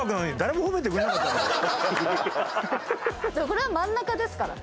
これは真ん中ですから。